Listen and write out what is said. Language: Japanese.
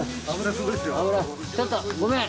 ちょっとごめん。